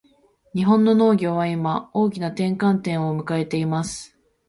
日本の農業は今、大きな転換点を迎えています。